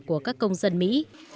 của các công dân mỹ